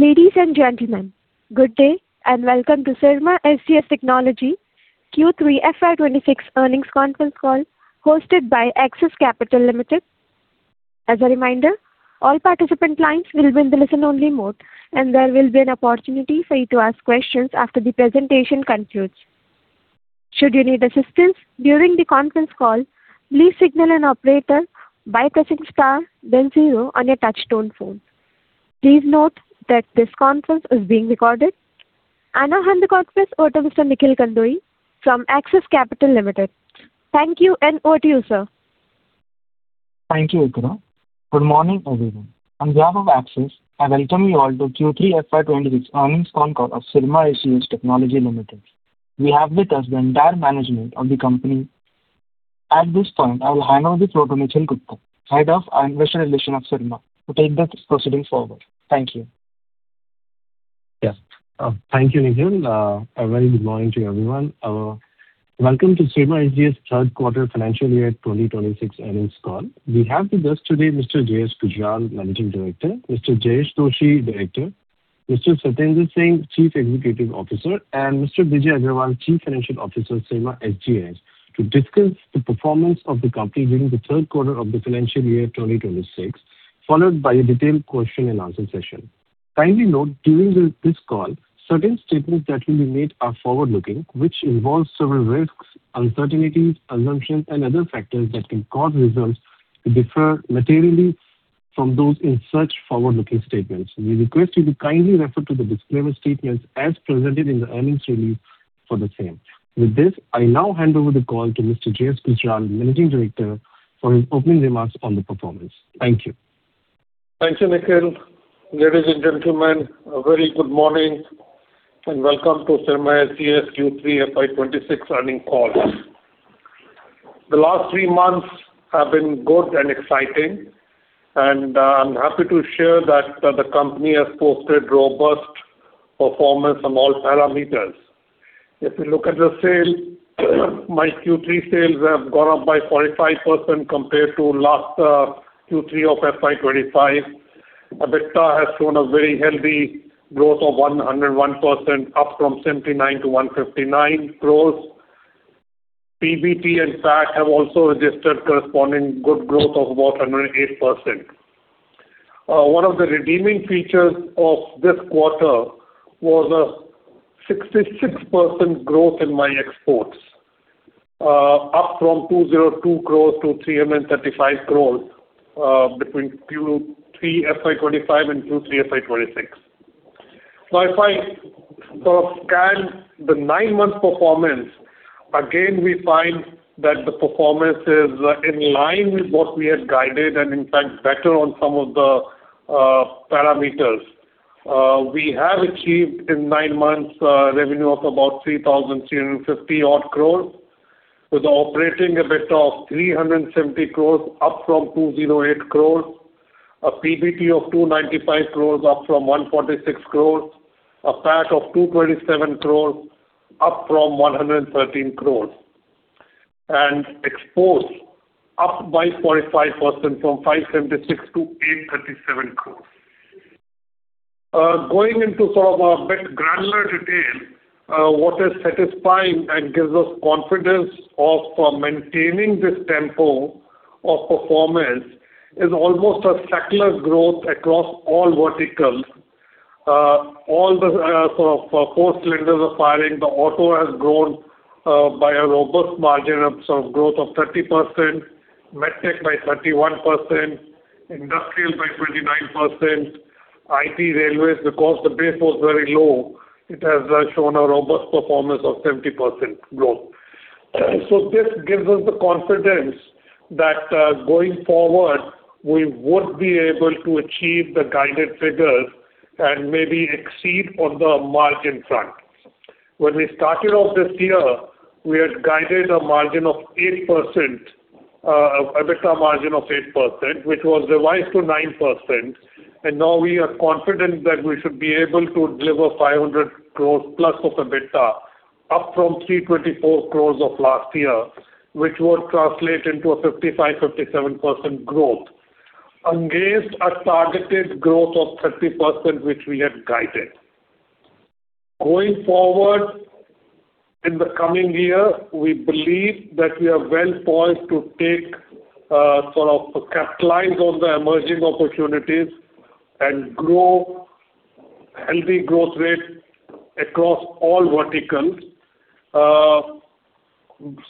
Ladies and gentlemen, good day, and welcome to Syrma SGS Technology Q3 FY 2026 earnings conference call, hosted by Axis Capital Limited. As a reminder, all participant lines will be in the listen-only mode, and there will be an opportunity for you to ask questions after the presentation concludes. Should you need assistance during the conference call, please signal an operator by pressing star then zero on your touchtone phone. Please note that this conference is being recorded. I now hand the conference over to Mr. Nikhil Kandoi from Axis Capital Limited. Thank you, and over to you, sir. Thank you, Ikra. Good morning, everyone. On behalf of Axis, I welcome you all to Q3 FY 2026 earnings call of Syrma SGS Technology Limited. We have with us the entire management of the company. At this point, I will hand over the floor to Nikhil Gupta, Head of Investor Relations of Syrma, to take the proceeding forward. Thank you. Yes. Uh, thank you, Nikhil. Uh, a very good morning to everyone. Uh, welcome to Syrma SGS third quarter financial year 2026 earnings call. We have with us today Mr. J.S. Gujral, Managing Director, Mr. Jayesh Doshi, Director, Mr. Satendra Singh, Chief Executive Officer, and Mr. Bijay Agrawal, Chief Financial Officer, Syrma SGS, to discuss the performance of the company during the third quarter of the financial year 2026, followed by a detailed question-and-answer session. Kindly note, during this call, certain statements that will be made are forward-looking, which involves several risks, uncertainties, assumptions, and other factors that can cause results to differ materially from those in such forward-looking statements. We request you to kindly refer to the disclaimer statements as presented in the earnings release for the same. With this, I now hand over the call to Mr. J.S. Gujral, Managing Director, for his opening remarks on the performance. Thank you. Thank you, Nikhil. Ladies and gentlemen, a very good morning, and welcome to Syrma SGS Q3 FY 2026 earnings call. The last three months have been good and exciting, and I'm happy to share that the company has posted robust performance on all parameters. If you look at the sales, my Q3 sales have gone up by 45% compared to last Q3 of FY 2025. EBITDA has shown a very healthy growth of 101%, up from 79 crore to 159 crore. PBT and PAT have also registered corresponding good growth of about 108%. One of the redeeming features of this quarter was a 66% growth in my exports, up from 202 crore to 335 crore, between Q3 FY 2025 and Q3 FY 2026. Now, if I sort of scan the nine-month performance, again, we find that the performance is, in line with what we had guided and in fact, better on some of the, parameters. We have achieved in nine months revenue of about 3,350-odd crores, with operating EBITDA of 370 crores, up from 208 crores, a PBT of 295 crores, up from 146 crores, a PAT of 227 crores, up from 113 crores. And exports up by 45% from 576 crores to 837 crores. Going into sort of a bit granular detail, what is satisfying and gives us confidence of, maintaining this tempo of performance is almost a secular growth across all verticals. All the, sort of four cylinders are firing. The auto has grown by a robust margin of sort of growth of 30%, MedTech by 31%, industrial by 29%, IT, railways, because the base was very low, it has shown a robust performance of 70% growth. So this gives us the confidence that, going forward, we would be able to achieve the guided figures and maybe exceed on the margin front. When we started off this year, we had guided a margin of 8%, EBITDA margin of 8%, which was revised to 9%, and now we are confident that we should be able to deliver 500 crore+ of EBITDA, up from 324 crore of last year, which would translate into a 55%-57% growth against a targeted growth of 30%, which we had guided. Going forward in the coming year, we believe that we are well poised to take sort of capitalize on the emerging opportunities and grow healthy growth rate across all verticals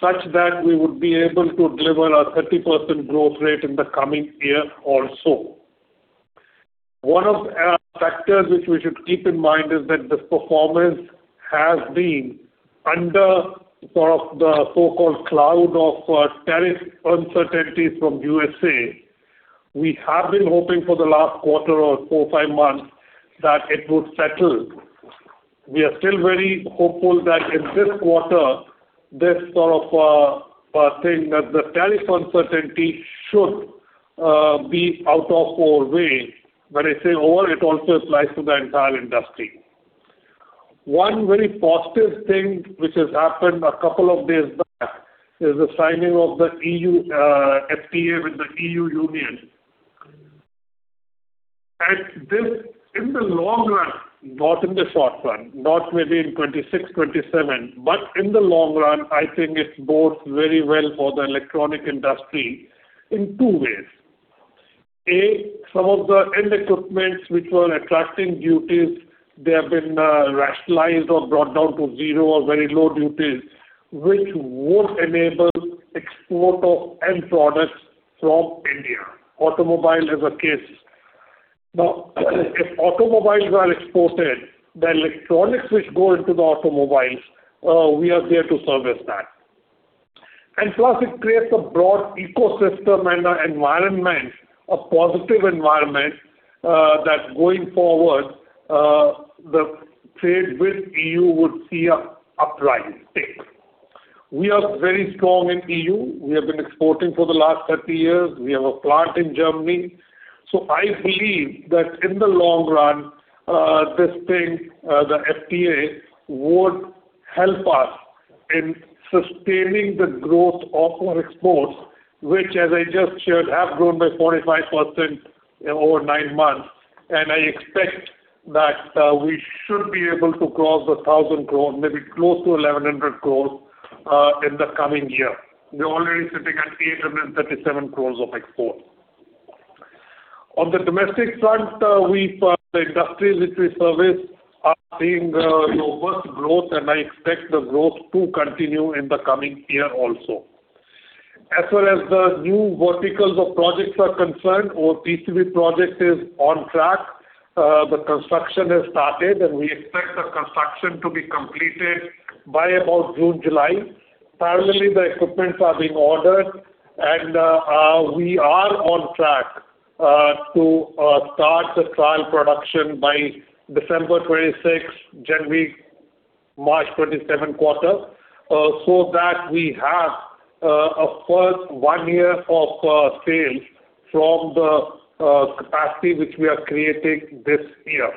such that we would be able to deliver a 30% growth rate in the coming year also. One of our factors, which we should keep in mind, is that this performance has been under sort of the so-called cloud of tariff uncertainties from USA. We have been hoping for the last quarter or four, five months that it would settle. We are still very hopeful that in this quarter, this sort of thing, that the tariff uncertainty should be out of our way. When I say all, it also applies to the entire industry. One very positive thing which has happened a couple of days back is the signing of the EU FTA with the European Union. And this, in the long run, not in the short run, not maybe in 2026, 2027, but in the long run, I think it bodes very well for the electronics industry in two ways: A, some of the end equipments which were attracting duties, they have been rationalized or brought down to zero or very low duties, which would enable export of end products from India. Automobile is a case. Now, if automobiles are exported, the electronics which go into the automobiles, we are there to service that. Plus, it creates a broad ecosystem and an environment, a positive environment, that going forward, the trade with EU would see an uptick. We are very strong in EU. We have been exporting for the last 30 years. We have a plant in Germany. So I believe that in the long run, this thing, the FTA, would help us in sustaining the growth of our exports, which, as I just shared, have grown by 45% over nine months. And I expect that, we should be able to cross 1,000 crore, maybe close to 1,100 crore, in the coming year. We're already sitting at 837 crore of export. On the domestic front, we, the industries which we service are seeing, robust growth, and I expect the growth to continue in the coming year also. As well as the new verticals of projects are concerned, our PCB project is on track. The construction has started, and we expect the construction to be completed by about June, July. Parallelly, the equipment is being ordered, and we are on track to start the trial production by December 2026, January, March 2027 quarter, so that we have a full one year of sales from the capacity which we are creating this year.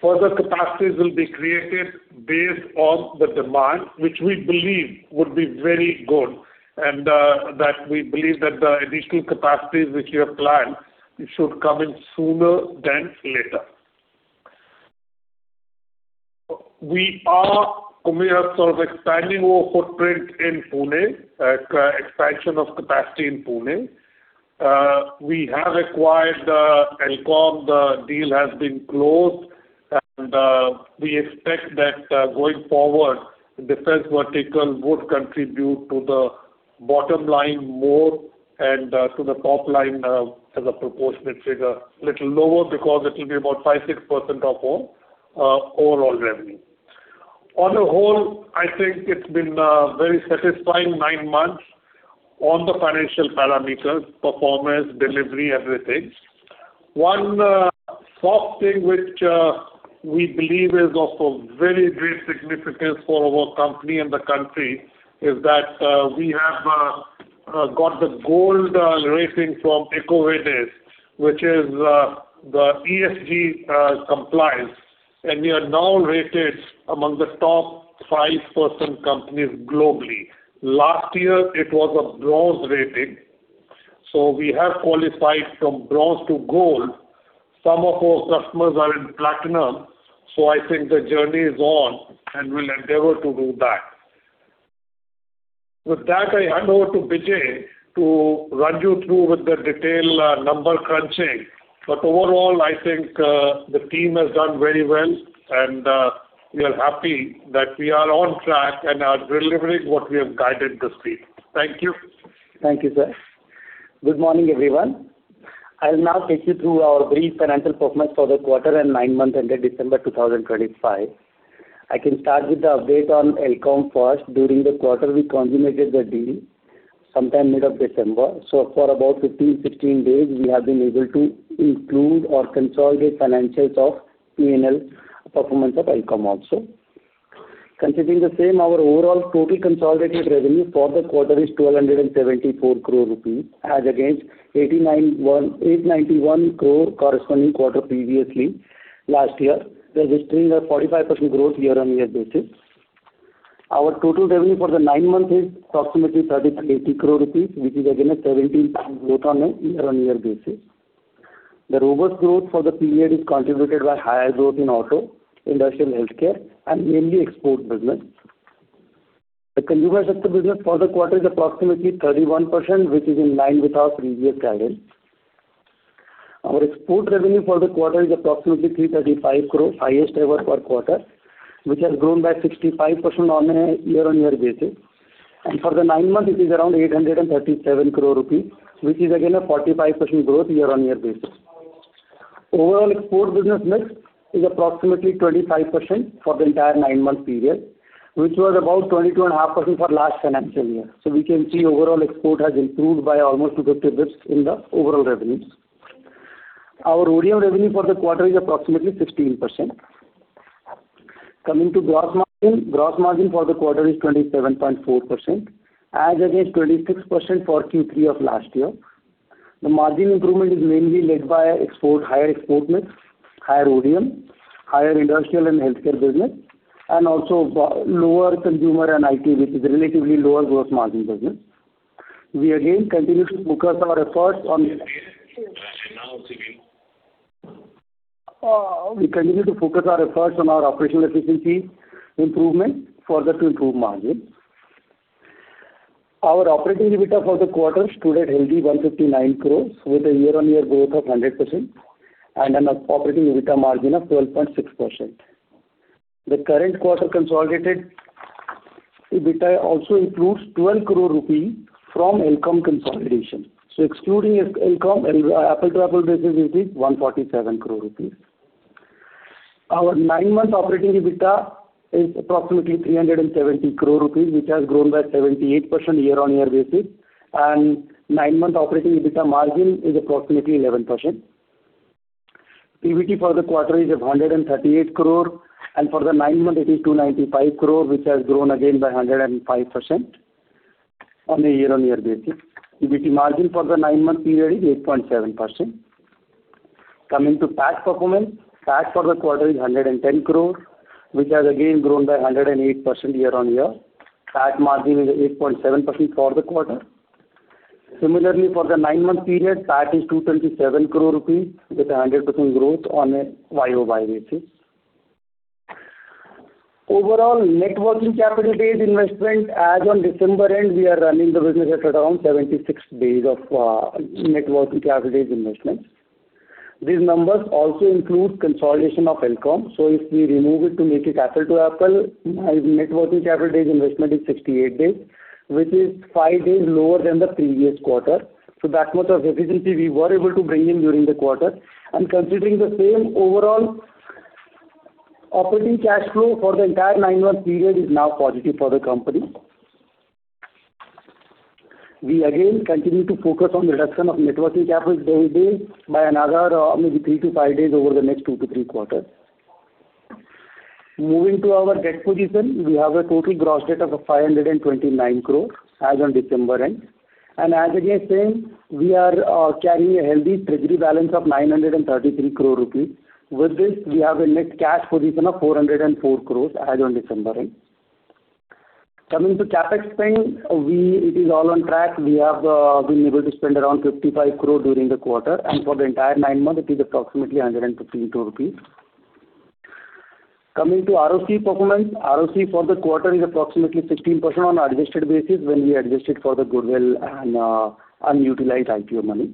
Further capacities will be created based on the demand, which we believe would be very good, and that we believe that the additional capacities which we have planned should come in sooner than later. We are sort of expanding our footprint in Pune, expansion of capacity in Pune. We have acquired Elcome, the deal has been closed, and we expect that going forward, the defense vertical would contribute to the bottom line more and to the top line as a proportionate figure. A little lower because it will be about 5%-6% of our overall revenue. On the whole, I think it's been a very satisfying nine months on the financial parameters, performance, delivery, everything. One soft thing which we believe is of a very great significance for our company and the country is that we have got the gold rating from EcoVadis, which is the ESG compliance, and we are now rated among the top 5% companies globally. Last year, it was a bronze rating, so we have qualified from bronze to gold. Some of our customers are in platinum, so I think the journey is on, and we'll endeavor to do that. With that, I hand over to Bijay to run you through with the detail, number crunching. But overall, I think, the team has done very well, and, we are happy that we are on track and are delivering what we have guided this year. Thank you. Thank you, sir. Good morning, everyone. I'll now take you through our brief financial performance for the quarter and nine months ended December 2025. I can start with the update on Elcome first. During the quarter, we consummated the deal, sometime mid of December. So for about 15, 16 days, we have been able to include or consolidate financials of P&L performance of Elcome also. Considering the same, our overall total consolidated revenue for the quarter is 1,274 crore rupees, as against 891 crore corresponding quarter previously, last year, registering 45% growth on a year-on-year basis. Our total revenue for the nine months is approximately 38 crore rupees, which is again a 17% growth on a year-on-year basis. The robust growth for the period is contributed by higher growth in auto, industrial, healthcare, and mainly export business. The consumer sector business for the quarter is approximately 31%, which is in line with our previous guidance. Our export revenue for the quarter is approximately 335 crore, highest ever per quarter, which has grown by 65% on a year-over-year basis. And for the nine months, it is around 837 crore rupees, which is again a 45% growth year-over-year basis. Overall export business mix is approximately 25% for the entire nine-month period, which was about 22.5% for last financial year. So we can see overall export has improved by almost 50 bps in the overall revenues. Our ODM revenue for the quarter is approximately 16%. Coming to gross margin, gross margin for the quarter is 27.4%, as against 26% for Q3 of last year. The margin improvement is mainly led by export, higher export mix, higher ODM, higher industrial and healthcare business, and also lower consumer and IT, which is relatively lower gross margin business. We again continue to focus our efforts on- And now, so now. We continue to focus our efforts on our operational efficiency improvement, further to improve margin. Our operating EBITDA for the quarter stood at healthy 159 crore, with a year-on-year growth of 100%, and an operating EBITDA margin of 12.6%. The current quarter consolidated EBITDA also includes 12 crore rupee from Elcome consolidation. So excluding Elcome, and apple to apple basis, it is 147 crore rupees. Our nine-month operating EBITDA is approximately 370 crore rupees, which has grown by 78% year-on-year basis, and nine-month operating EBITDA margin is approximately 11%. PBT for the quarter is of 138 crore, and for the nine months, it is 295 crore, which has grown again by 105% on a year-on-year basis. PBT margin for the nine-month period is 8.7%. Coming to tax performance, tax for the quarter is 110 crore, which has again grown by 108% year-on-year. Tax margin is 8.7% for the quarter. Similarly, for the nine-month period, tax is 227 crore rupees, with a 100% growth on a YoY basis. Overall, net working capital days investment, as on December end, we are running the business at around 76 days of net working capital days investment. These numbers also include consolidation of Elcome, so if we remove it to make it apples to apples, net working capital days investment is 68 days, which is five days lower than the previous quarter. So that much of efficiency we were able to bring in during the quarter. And considering the same, overall operating cash flow for the entire nine-month period is now positive for the company. We again continue to focus on reduction of net working capital days by another, maybe three to five days over the next two to three quarters. Moving to our debt position, we have a total gross debt of 529 crore as on December end. As again same, we are carrying a healthy treasury balance of 933 crore rupees. With this, we have a net cash position of 404 crore as on December end. Coming to CapEx spend, we—it is all on track. We have been able to spend around 55 crore during the quarter, and for the entire nine months, it is approximately 152 rupees. Coming to ROCE performance, ROCE for the quarter is approximately 15% on adjusted basis, when we adjust it for the goodwill and unutilized IPO money.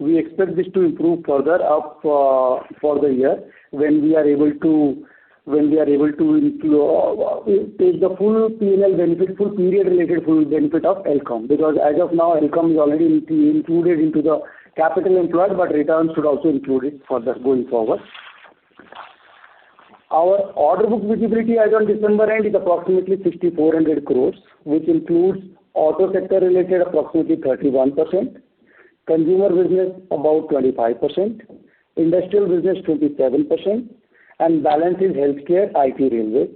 We expect this to improve further up for the year, when we are able to, when we are able to include, take the full P&L benefit, full period related full benefit of Elcome. Because as of now, Elcome is already included into the capital employed, but returns should also include it further going forward. Our order book visibility as on December end, is approximately 6,400 crore, which includes auto sector related, approximately 31%, consumer business, about 25%, industrial business, 27%, and balance is healthcare, IT, railways.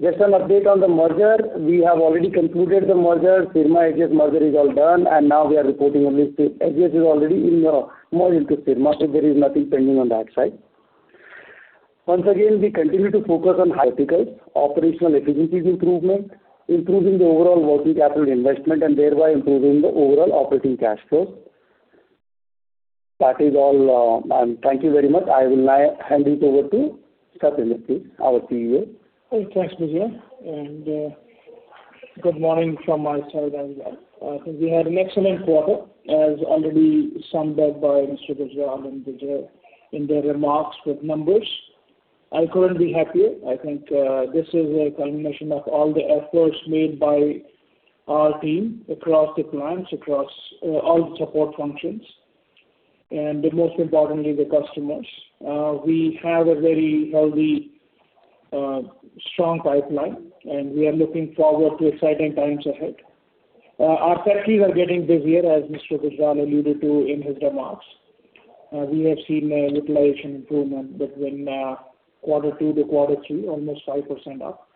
Just an update on the merger. We have already concluded the merger. Syrma-SGS merger is all done, and now we are reporting only to. SGS is already in, merged into Syrma, so there is nothing pending on that side. Once again, we continue to focus on high priorities, operational efficiencies improvement, improving the overall working capital investment, and thereby improving the overall operating cash flow. That is all, and thank you very much. I will now hand it over to Satendra, our CEO. Okay, thanks, Bijay. And, good morning from my side as well. We had an excellent quarter, as already summed up by Mr. Bijay and Bijay in their remarks with numbers. I couldn't be happier. I think, this is a culmination of all the efforts made by our team across the clients, across, all the support functions, and most importantly, the customers. We have a very healthy, strong pipeline, and we are looking forward to exciting times ahead. Our factories are getting busier, as Mr. Bijay alluded to in his remarks. We have seen a utilization improvement between, quarter two to quarter three, almost 5% up.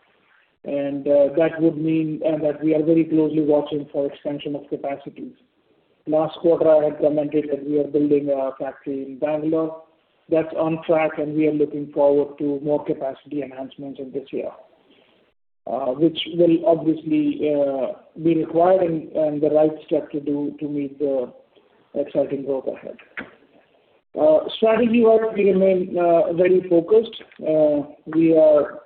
And, that would mean, that we are very closely watching for expansion of capacities. Last quarter, I had commented that we are building a factory in Bangalore. That's on track, and we are looking forward to more capacity enhancements in this year, which will obviously be required and the right step to do to meet the exciting road ahead. Strategy-wise, we remain very focused. We are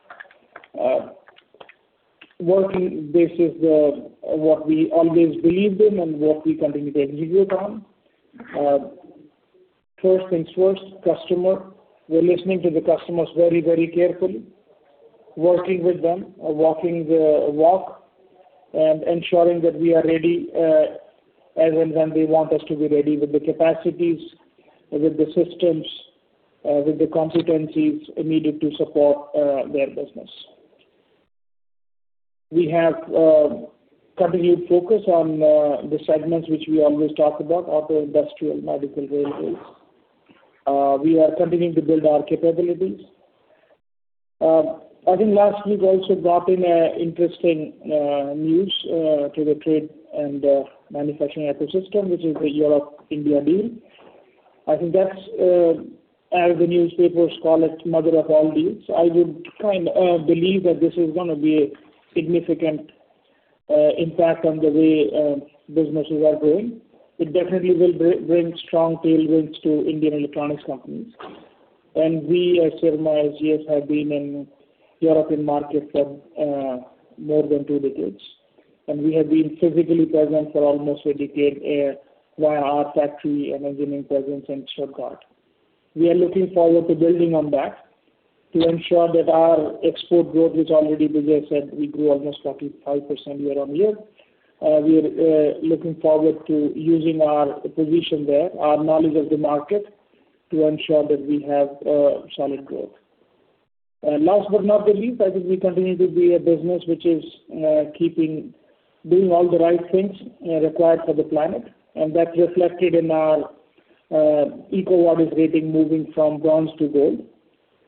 working. This is what we always believed in and what we continue to execute on. First things first, customer. We're listening to the customers very, very carefully, working with them, walking the walk, and ensuring that we are ready as and when they want us to be ready with the capacities, with the systems, with the competencies needed to support their business. We have continued focus on the segments which we always talk about: auto, industrial, medical, railways. We are continuing to build our capabilities. I think last week also brought in interesting news to the trade and manufacturing ecosystem, which is the Europe-India deal. I think that's, as the newspapers call it, mother of all deals. I would kind believe that this is gonna be a significant impact on the way businesses are doing. It definitely will bring strong tailwinds to Indian electronics companies. And we, as Syrma SGS, have been in European market for more than two decades, and we have been physically present for almost a decade via our factory and engineering presence in Stuttgart. We are looking forward to building on that to ensure that our export growth, which already, as I said, we grew almost 45% year-on-year. We are looking forward to using our position there, our knowledge of the market, to ensure that we have solid growth. Last but not the least, I think we continue to be a business which is doing all the right things required for the planet, and that's reflected in our EcoVadis rating moving from bronze to gold.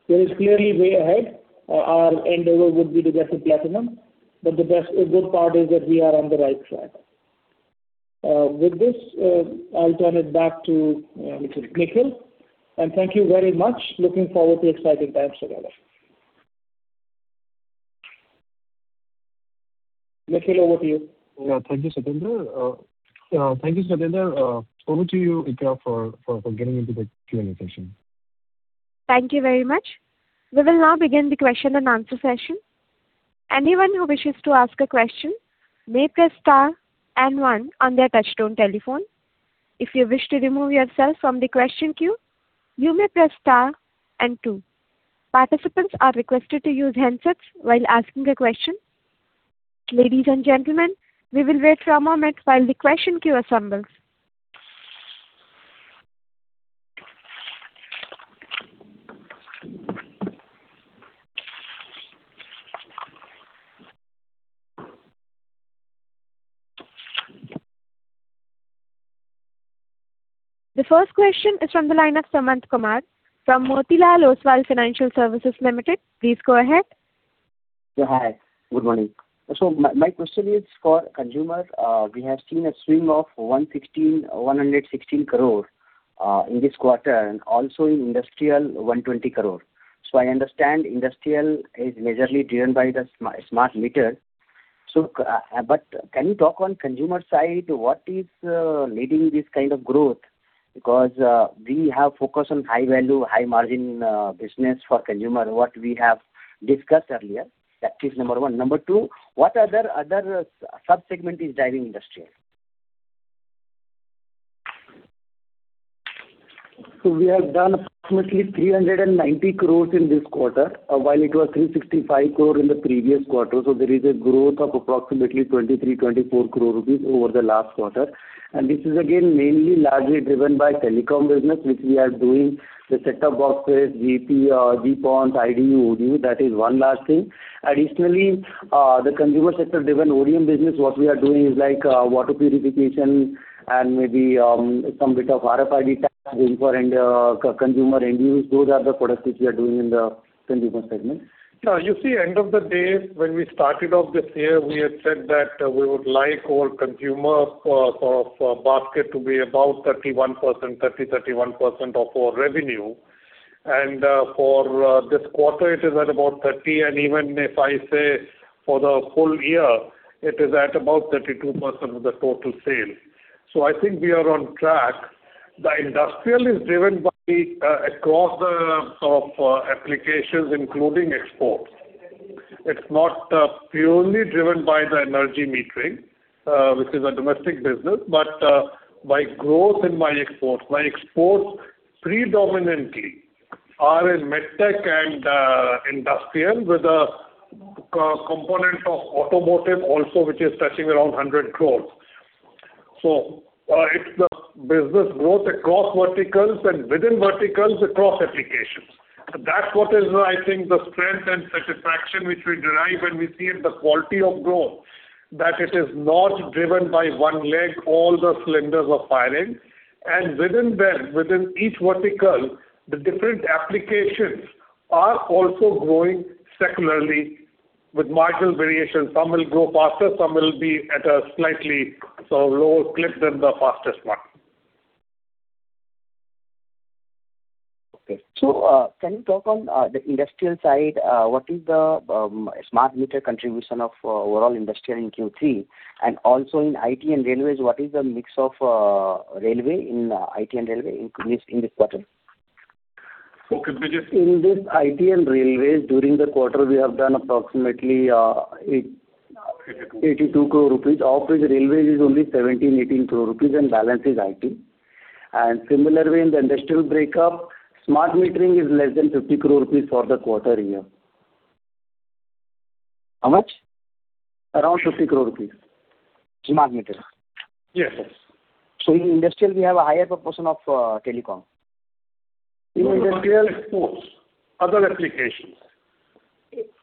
There is clearly way ahead. Our endeavor would be to get to platinum, but the best good part is that we are on the right track. With this, I'll turn it back to Nikhil. And thank you very much. Looking forward to exciting times together. Nikhil, over to you. Yeah. Thank you, Satendra. Thank you, Satendra. Over to you, Ikra, for getting into the Q&A session. Thank you very much. We will now begin the question and answer session. Anyone who wishes to ask a question, may press star and one on their touchtone telephone. If you wish to remove yourself from the question queue, you may press star and two. Participants are requested to use handsets while asking a question. Ladies and gentlemen, we will wait for a moment while the question queue assembles. The first question is from the line of Sumant Kumar from Motilal Oswal Financial Services Limited. Please go ahead. Yeah, hi. Good morning. So my question is for consumer. We have seen a swing of 116, 116 crore in this quarter, and also in industrial, 120 crore. So, but can you talk on consumer side, what is leading this kind of growth? Because we have focused on high value, high margin business for consumer, what we have discussed earlier. That is number one. Number two, what other sub-segment is driving industrial? So we have done approximately 390 crore in this quarter, while it was 365 crore in the previous quarter. So there is a growth of approximately 23 crore-24 crore rupees over the last quarter. And this is again, mainly largely driven by telecom business, which we are doing the set-top boxes, GP, GPONs, IDU, ODU. That is one last thing. Additionally, the consumer sector driven ODM business, what we are doing is like, water purification and maybe, some bit of RFID tags being for end, consumer end use. Those are the products which we are doing in the consumer segment. Now, you see, end of the day, when we started off this year, we had said that we would like our consumer, sort of basket to be about 31%, 30, 31% of our revenue. And, for this quarter, it is at about 30%, and even if I say for the whole year, it is at about 32% of the total sales. So I think we are on track. The industrial is driven by across the applications, including exports. It's not purely driven by the energy metering, which is a domestic business, but by growth in my exports. My exports predominantly are in med tech and industrial, with a co-component of automotive also, which is touching around 100 crore. So, it's the business growth across verticals and within verticals, across applications. That's what is, I think, the strength and satisfaction which we derive when we see the quality of growth, that it is not driven by one leg, all the cylinders are firing. Within them, within each vertical, the different applications are also growing secularly with marginal variations. Some will grow faster, some will be at a slightly, sort of, lower clip than the fastest one. Okay. So, can you talk on the industrial side, what is the smart meter contribution of overall industrial in Q3? And also in IT and railways, what is the mix of railway in IT and railway in this quarter? Okay, Vijesh. In this IT and railways, during the quarter, we have done approximately 8- 82. INR 82 crore. Of which railways is only 17 crore-18 crore rupees, and balance is IT. Similar way, in the industrial breakup, smart metering is less than 50 crore rupees for the quarter year. How much? Around 50 crore rupees. Smart metering? Yes, yes. In industrial, we have a higher proportion of telecom. In industrial exports, other applications.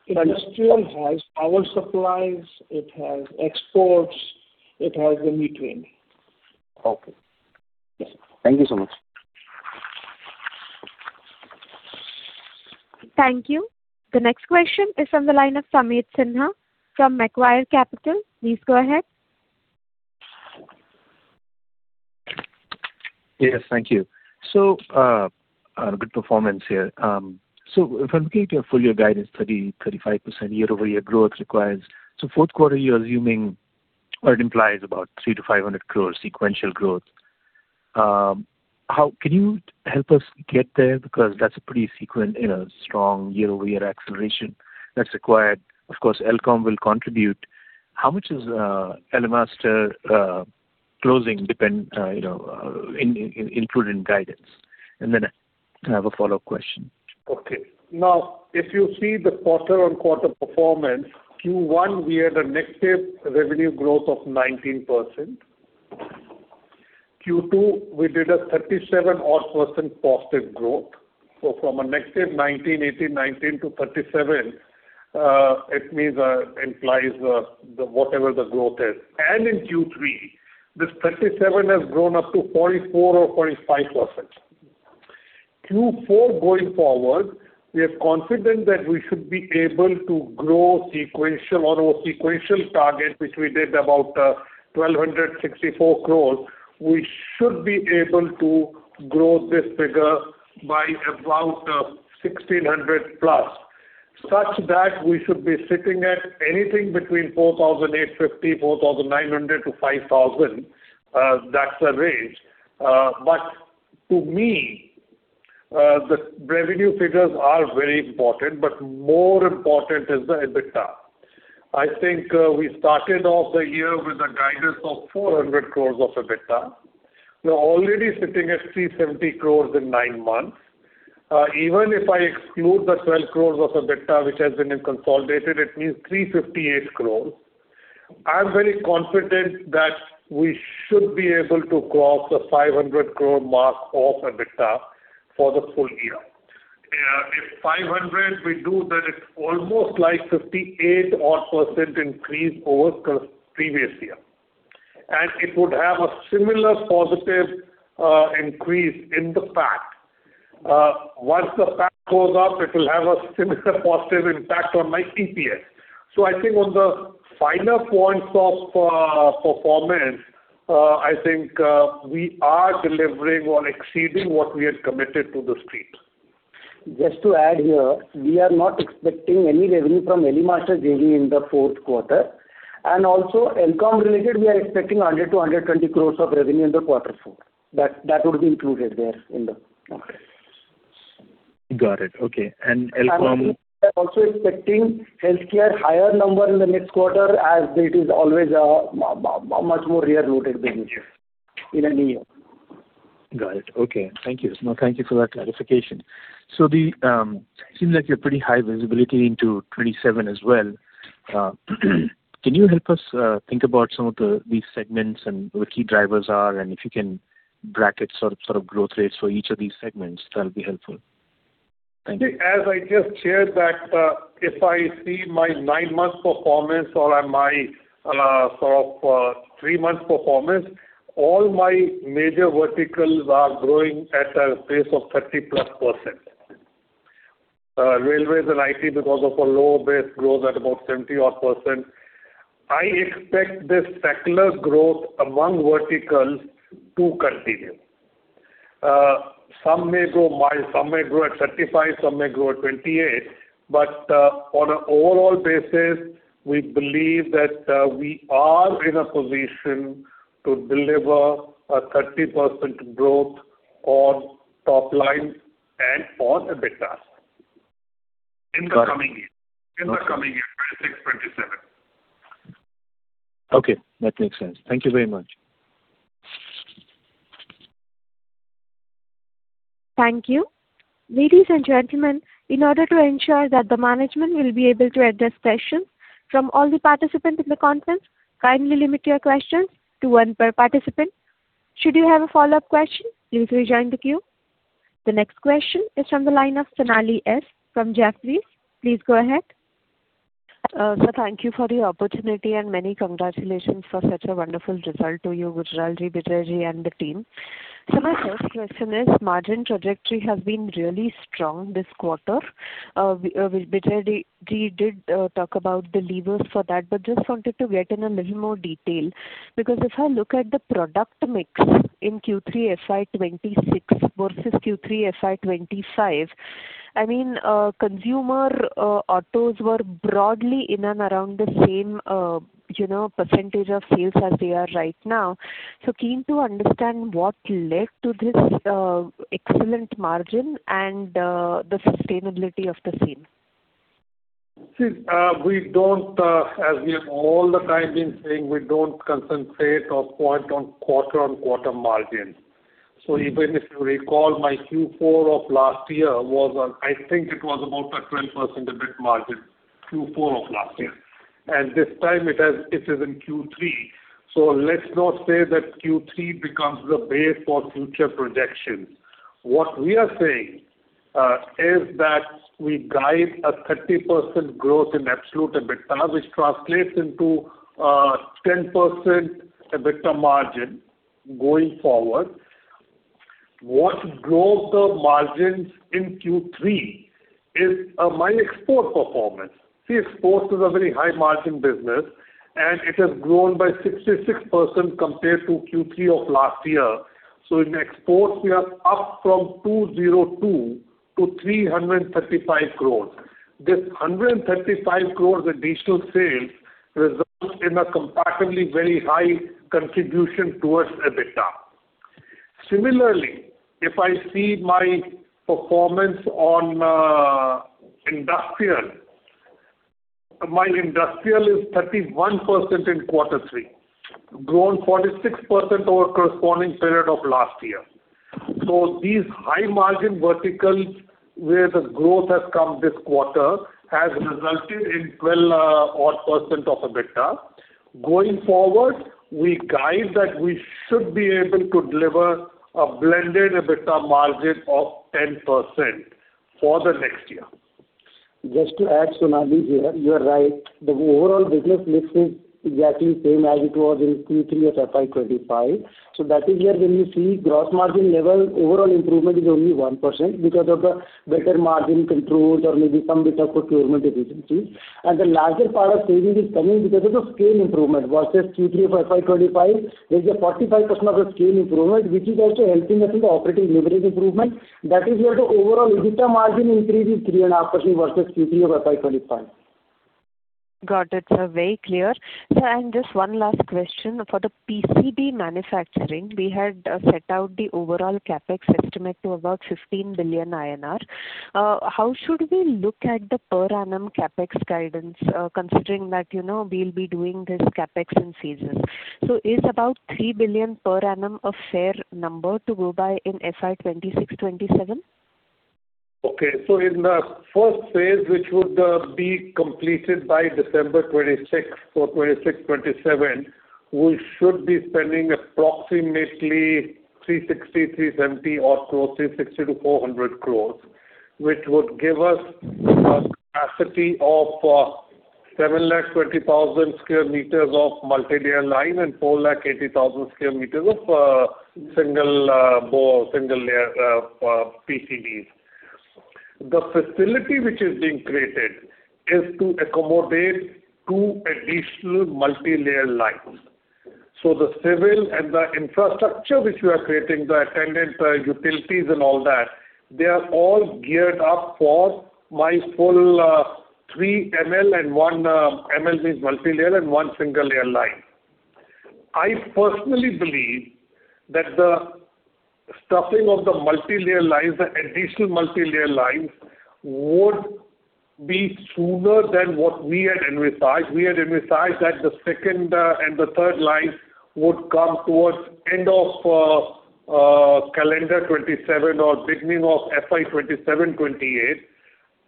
Industrial has power supplies, it has exports, it has the metering. Okay. Thank you so much. Thank you. The next question is from the line of Sumit Sinha from Macquarie Capital. Please go ahead. Yes, thank you. So, good performance here. So if I'm looking at your full year guidance, 30%-35% year-over-year growth requires. Fourth quarter, you're assuming, or it implies about 300 crore-500 crore sequential growth. How can you help us get there? Because that's a pretty frequent, you know, strong year-over-year acceleration that's required. Of course, Elcome will contribute. How much is Elcome closing dependent, you know, included in guidance? And then I have a follow-up question. Okay. Now, if you see the quarter-on-quarter performance, Q1, we had a negative revenue growth of 19%. Q2, we did a 37% odd positive growth. So from a -19%, 18%, 19% to 37%, it means, implies the, the whatever the growth is. And in Q3, this 37% has grown up to 44% or 45%. Q4, going forward, we are confident that we should be able to grow sequential or our sequential target, which we did about, 1,264 crore. We should be able to grow this figure by about, 1,600+, such that we should be sitting at anything between 4,850 crore, 4,900 crore to 5,000 crore, that's the range. But to me, the revenue figures are very important, but more important is the EBITDA. I think, we started off the year with a guidance of 400 crores of EBITDA. We're already sitting at 370 crores in nine months. Even if I exclude the 12 crores of EBITDA, which has been in consolidated, it means 358 crores. I'm very confident that we should be able to cross the 500 crore mark of EBITDA for the full year. If 500 we do, then it's almost like 58-odd percent increase over the previous year. And it would have a similar positive increase in the PAT. Once the PAT goes up, it will have a similar positive impact on my EPS. So I think on the finer points of performance, I think, we are delivering or exceeding what we had committed to the street. Just to add here, we are not expecting any revenue from Elemaster JV in the fourth quarter. Also, Elcome related, we are expecting 100 crore-120 crore of revenue in the quarter four. That would be included there in the Okay. Got it. Okay, and Elcome- I'm also expecting healthcare higher number in the next quarter, as it is always a much more year loaded business in a new year. Got it. Okay. Thank you. No, thank you for that clarification. So seems like you're pretty high visibility into 2027 as well. Can you help us think about some of these segments and what key drivers are, and if you can bracket sort of growth rates for each of these segments, that'll be helpful. Thank you. As I just shared that, if I see my nine-month performance or my, sort of, three-month performance, all my major verticals are growing at a pace of 30+%. Railways and IT, because of a low base, grows at about 70-odd percent. I expect this secular growth among verticals to continue. Some may grow mild, some may grow at 35%, some may grow at 28%, but, on an overall basis, we believe that, we are in a position to deliver a 30% growth on top line and on EBITDA- Got it in the coming year, in the coming year, 2026, 2027. Okay, that makes sense. Thank you very much. Thank you. Ladies and gentlemen, in order to ensure that the management will be able to address questions from all the participants in the conference, kindly limit your questions to one per participant. Should you have a follow-up question, please rejoin the queue. The next question is from the line of Sonali S. from Jefferies. Please go ahead. Thank you for the opportunity, and many congratulations for such a wonderful result to you, Gujralji, Vijayji, and the team. My first question is, margin trajectory has been really strong this quarter. Vijayji, did talk about the levers for that, but just wanted to get in a little more detail. Because if I look at the product mix in Q3 FY 2026 versus Q3 FY 2025, I mean, consumer, autos were broadly in and around the same, you know, percentage of sales as they are right now. Keen to understand what led to this, excellent margin and, the sustainability of the same. See, we don't, as we have all the time been saying, we don't concentrate or point on quarter-on-quarter margin. So even if you recall, my Q4 of last year was, I think it was about a 10% EBIT margin, Q4 of last year. And this time it has it is in Q3. So let's not say that Q3 becomes the base for future projections. What we are saying is that we guide a 30% growth in absolute EBITDA, which translates into, ten percent EBITDA margin going forward. What grows the margins in Q3 is, my export performance. See, exports is a very high margin business, and it has grown by 66% compared to Q3 of last year. So in exports, we are up from 202 crore to 335 crore. This 135 crores additional sales results in a comparatively very high contribution towards EBITDA. Similarly, if I see my performance on industrial, my industrial is 31% in quarter three, grown 46% over corresponding period of last year. So these high margin verticals, where the growth has come this quarter, has resulted in 12 odd percent of EBITDA. Going forward, we guide that we should be able to deliver a blended EBITDA margin of 10% for the next year. Just to add, Sonali, here, you are right. The overall business mix is exactly same as it was in Q3 of FY 2025. So that is where when you see gross margin level, overall improvement is only 1% because of the better margin controls or maybe some better procurement efficiency. And the larger part of savings is coming because of the scale improvement versus Q3 of FY 2025. There's a 45% of the scale improvement, which is also helping us in the operating leverage improvement. That is where the overall EBITDA margin increase is 3.5% versus Q3 of FY 2025. Got it, sir. Very clear. Sir, and just one last question. For the PCB manufacturing, we had set out the overall CapEx estimate to about 15 billion INR. How should we look at the per annum CapEx guidance, considering that, you know, we'll be doing this CapEx in phases? So is about 3 billion per annum a fair number to go by in FY 2026, 2027? Okay. So in the first phase, which would be completed by December 2026 for 2026-2027, we should be spending approximately 360 crores, 370 crores or close to 360 crores-400 crores, which would give us a capacity of 720,000 square meters of multilayer line and 480,000 square meters of single layer PCBs. The facility which is being created is to accommodate two additional multilayer lines. So the civil and the infrastructure which we are creating, the attendant utilities and all that, they are all geared up for my full three ML and one ML, means multilayer, and one single layer line. I personally believe that the stuffing of the multilayer lines, the additional multilayer lines, would be sooner than what we had envisaged. We had envisaged that the second and the third line would come towards end of calendar 2027 or beginning of FY 2027, 2028.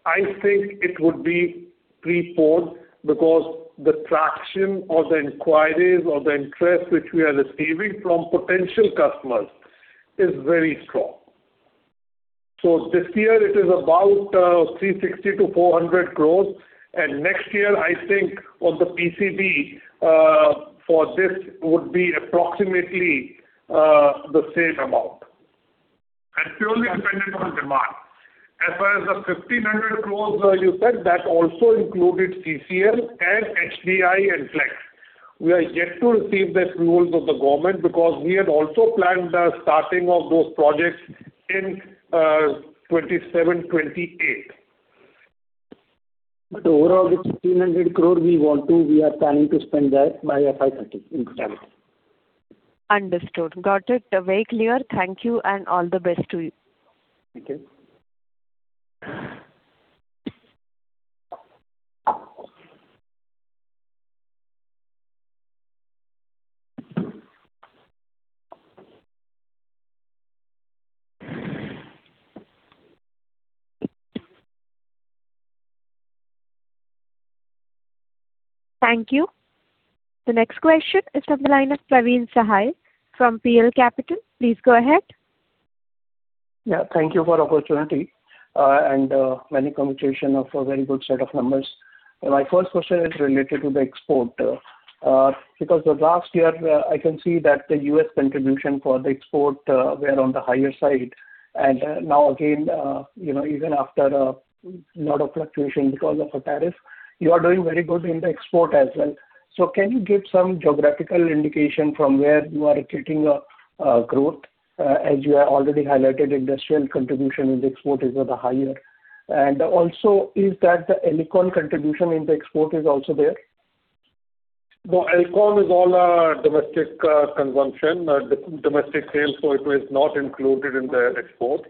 I think it would be preponed because the traction or the inquiries or the interest which we are receiving from potential customers is very strong. So this year it is about 360 crore-400 crore, and next year, I think on the PCB for this would be approximately the same amount, and purely dependent on demand. As far as the 1,500 crore you said, that also included CCL and HDI and Flex. We are yet to receive the approvals of the government because we had also planned the starting of those projects in 2027, 2028. Overall, the 1,500 crore we want to, we are planning to spend that by FY 2030 in total. Understood. Got it. Very clear. Thank you, and all the best to you. Thank you. Thank you. The next question is from the line of Praveen Sahay from PL Capital. Please go ahead. Yeah, thank you for the opportunity, and, many congratulations on a very good set of numbers. My first question is related to the export, because the last year, I can see that the U.S. contribution for the export, were on the higher side. And, now again, you know, even after, lot of fluctuation because of the tariff, you are doing very good in the export as well. So can you give some geographical indication from where you are getting, growth? As you have already highlighted, industrial contribution in the export is at the higher. And also, is that the Elcome contribution in the export is also there? The Elcome is all domestic consumption, domestic sales, so it is not included in the export.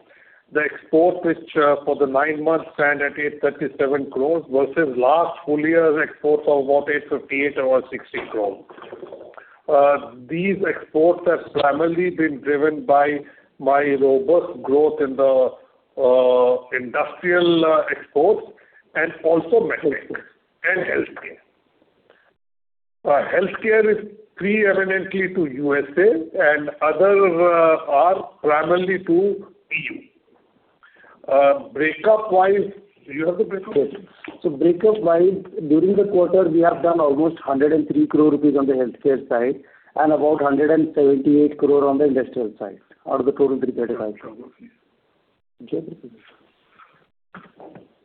The export, which for the nine months stand at 837 crore, versus last full year export of about 858 over 60 crore. These exports have primarily been driven by my robust growth in the industrial exports and also MedTech and healthcare. Healthcare is predominantly to USA, and others are primarily to EU. Breakup-wise, do you have the breakup? Yes. So breakup-wise, during the quarter, we have done almost 103 crore rupees on the healthcare side, and about 178 crore on the industrial side, out of the total 3 billion.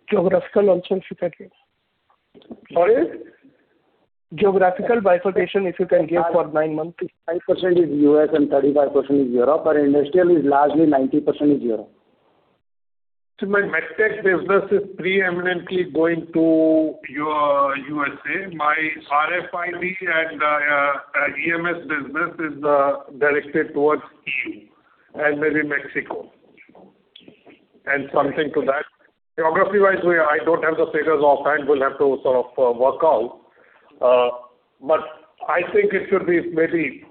Geographical also, if you can give? Sorry? Geographical bifurcation, if you can give for nine months? 5% is U.S. and 35% is Europe, but industrial is largely 90% is Europe. So my med tech business is predominantly going to the U.S., USA. My RFID and EMS business is directed toward EU and maybe Mexico, and something to that. Geography-wise, I don't have the figures offhand. We'll have to sort of work out. But I think it should be maybe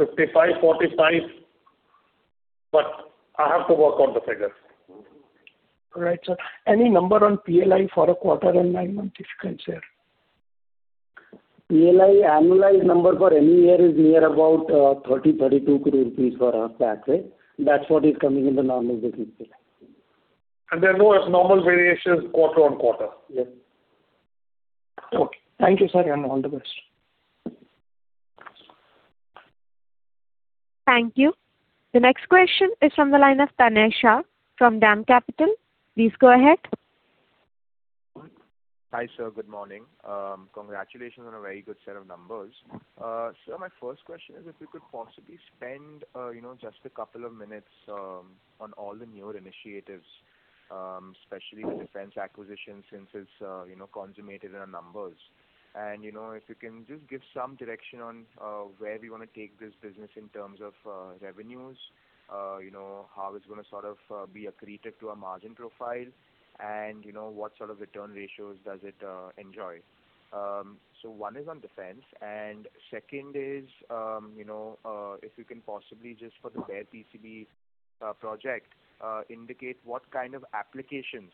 55-45, but I have to work on the figures. All right, sir. Any number on PLI for a quarter and nine months, if you can share? PLI annualized number for any year is near about 30 crore-32 crore rupees for us that way. That's what is coming in the normal business year. There are no abnormal variations quarter-over-quarter? Yes. Okay. Thank you, sir, and all the best. Thank you. The next question is from the line of Tanay Shah from DAM Capital. Please go ahead. Hi, sir. Good morning. Congratulations on a very good set of numbers. So my first question is, if you could possibly spend, you know, just a couple of minutes on all the new initiatives, especially the defense acquisition, since it's, you know, consummated in our numbers. And, you know, if you can just give some direction on where we want to take this business in terms of revenues, you know, how it's going to sort of be accretive to our margin profile, and, you know, what sort of return ratios does it enjoy? So one is on defense, and second is, you know, if you can possibly just for the bare PCB project indicate what kind of applications,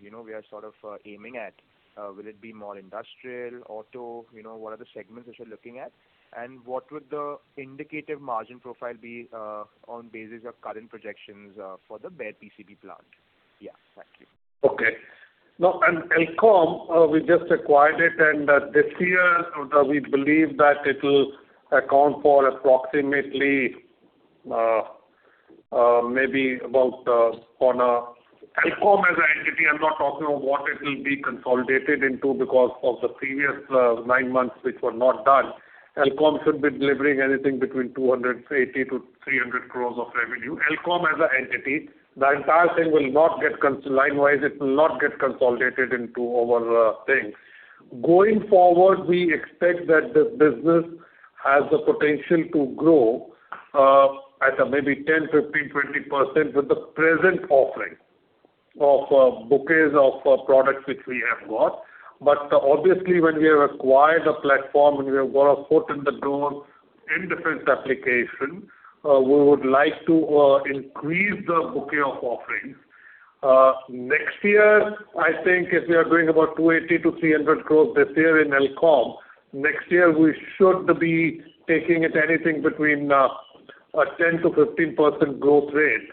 you know, we are sort of aiming at. Will it be more industrial, auto, you know, what are the segments which you're looking at? And what would the indicative margin profile be, on basis of current projections, for the bare PCB plant? Yeah. Thank you. Okay. Now, Elcome, we just acquired it, and, this year, we believe that it'll account for approximately, maybe about, Elcome as an entity, I'm not talking of what it will be consolidated into because of the previous, nine months, which were not done. Elcome should be delivering anything between 280-300 crore of revenue. Elcome as an entity, the entire thing will not get consolidated line wise, it will not get consolidated into our, things. Going forward, we expect that the business has the potential to grow, at a maybe 10, 15, 20% with the present offering of, bouquets of, products which we have got. But obviously, when we have acquired a platform and we have got a foot in the door in defense application, we would like to increase the bouquet of offerings. Next year, I think if we are doing about 280 crore-300 crore this year in Elcome, next year, we should be taking it anything between a 10%-15% growth rate,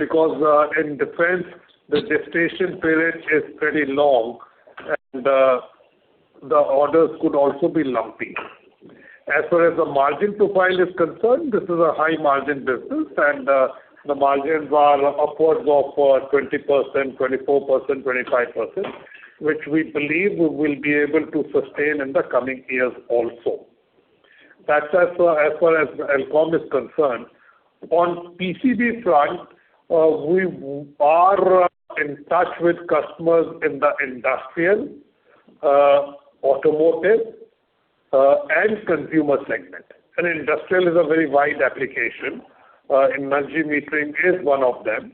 because in defense, the gestation period is pretty long, and the orders could also be lumpy. As far as the margin profile is concerned, this is a high margin business, and the margins are upwards of 20%, 24%, 25%, which we believe we will be able to sustain in the coming years also. That's as far as Elcome is concerned. On PCB front, we are in touch with customers in the industrial, automotive, and consumer segment. Industrial is a very wide application, and energy metering is one of them.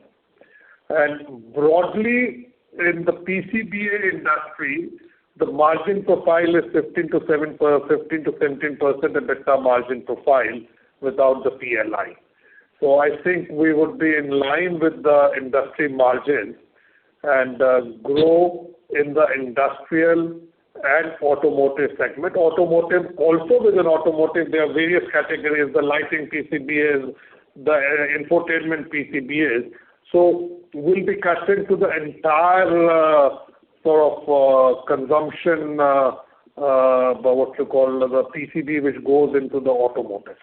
Broadly, in the PCBA industry, the margin profile is 15%-17% EBITDA margin profile without the PLI. So I think we would be in line with the industry margins and grow in the industrial and automotive segment. Automotive, also within automotive, there are various categories, the lighting PCBAs, the infotainment PCBAs. So we'll be catering to the entire sort of consumption, what you call the PCB, which goes into the automotive.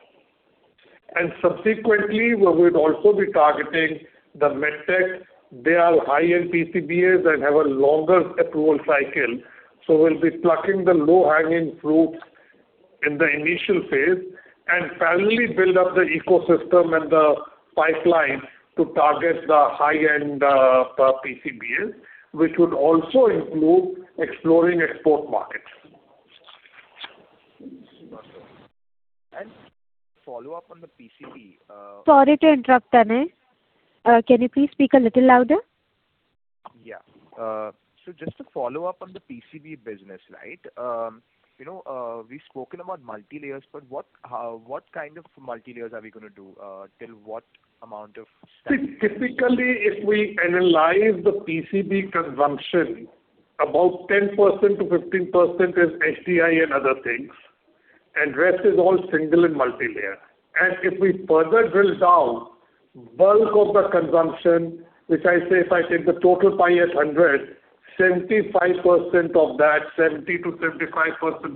And subsequently, we would also be targeting the MedTech. They are higher PCBAs and have a longer approval cycle, so we'll be plucking the low-hanging fruits in the initial phase, and finally build up the ecosystem and the pipeline to target the high-end PCBAs, which would also include exploring export markets. Follow up on the PCB, Sorry to interrupt, Tanay. Can you please speak a little louder? Yeah. So just to follow up on the PCB business, right? You know, we've spoken about multi-layers, but what, what kind of multi-layers are we going to do? Till what amount of- See, typically, if we analyze the PCB consumption, about 10%-15% is HDI and other things and rest is all single and multi-layer. And if we further drill down, bulk of the consumption, which I say, if I take the total pie as 100, 75% of that, 70%-75%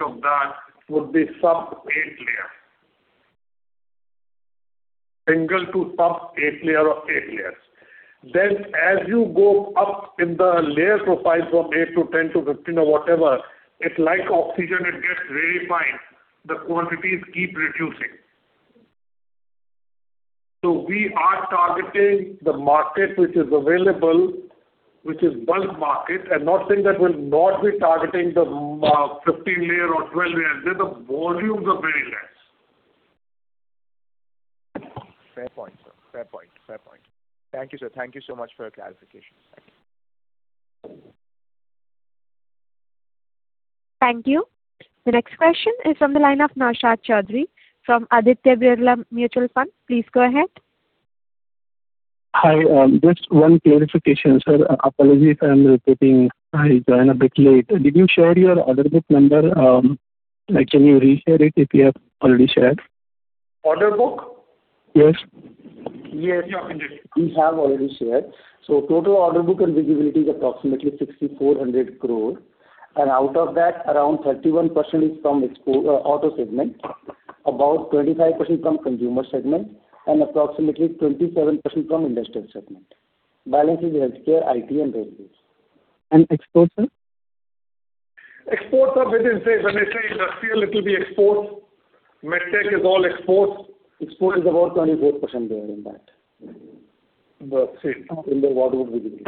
of that would be sub-8 layer. Single to sub-8 layer or eight layers. Then as you go up in the layer profile from eight to 10 to 15 or whatever, it's like oxygen, it gets very fine, the quantities keep reducing. So we are targeting the market which is available, which is bulk market, and not saying that we'll not be targeting the, 15-layer or 12-layer. There, the volumes are very less. Fair point, sir. Fair point. Fair point. Thank you, sir. Thank you so much for your clarification. Thank you. Thank you. The next question is from the line of Naushad Chaudhary from Aditya Birla Mutual Fund. Please go ahead. Hi, just one clarification, sir. Apologies if I'm repeating. I joined a bit late. Did you share your order book number? Like, can you reshare it if you have already shared? Order book? Yes. Yes, yeah. We have already shared. Total order book and visibility is approximately 6,400 crore, and out of that, around 31% is from export auto segment, about 25% from consumer segment, and approximately 27% from industrial segment. Balance is healthcare, IT, and railways. Export, sir? Exports are within, say, when I say industrial, it will be exports. MedTech is all exports. Export is about 24% there in that. The same, in the volume visibility.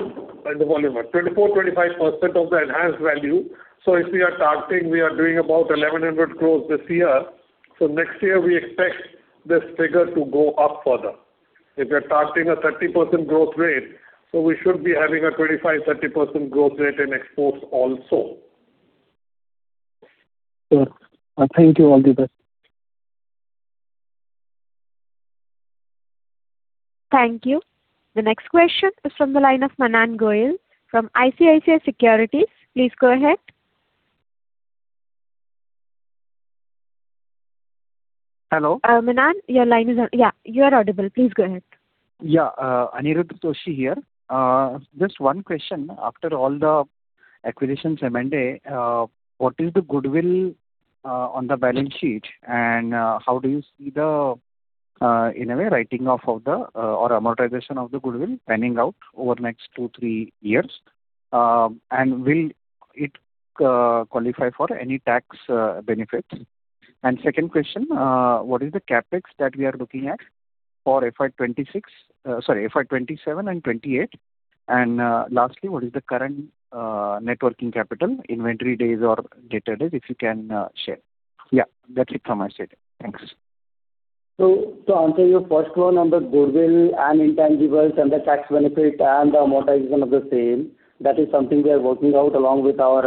The volume are 24-25% of the enhanced value. So if we are targeting, we are doing about 1,100 crore this year. So next year we expect this figure to go up further. If we are targeting a 30% growth rate, so we should be having a 25-30% growth rate in exports also. Sure. Thank you. All the best. Thank you. The next question is from the line of Manan Goyal from ICICI Securities. Please go ahead. Hello? Manan, your line is on. Yeah, you are audible. Please go ahead. Yeah, Aniruddha Joshi here. Just one question, after all the acquisitions M&A, what is the goodwill on the balance sheet? And how do you see the, in a way, writing off of the or amortization of the goodwill panning out over the next two, three years? And will it qualify for any tax benefits? And second question, what is the CapEx that we are looking at for FY 2026, sorry, FY 2027 and 2028? And lastly, what is the current net working capital, inventory days or debtor days, if you can share? Yeah, that's it from my side. Thanks. To answer your first one on the goodwill and intangibles and the tax benefit and the amortization of the same, that is something we are working out along with our